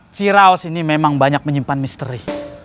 ciraos ini memang banyak menyimpan misteri